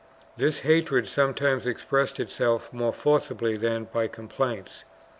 2 This hatred sometimes expressed itself more forcibly than by complaints.